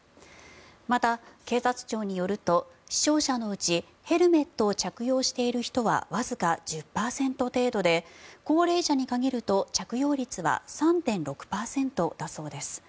また、警察庁によると死傷者のうちヘルメットを着用している人はわずか１０％で高齢者に限ると着用率は３．６％だそうです。